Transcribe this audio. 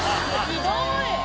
ひどい！